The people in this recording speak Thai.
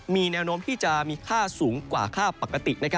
มีแนวโน้มที่จะมีค่าสูงกว่าค่าปกติ